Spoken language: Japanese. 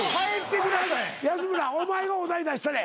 安村お前がお題出したれ。